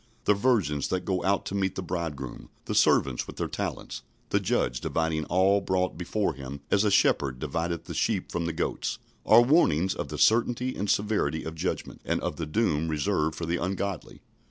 The virgins that go out to meet the Bridegroom, the servants with their talents, the Judge dividing all brought before Him as a shepherd divideth the sheep from the goats, are warnings of the certainty and severity of judgment, and of the doom reserved for the ungodly.